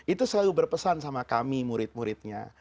itu selalu berpesan sama kami murid muridnya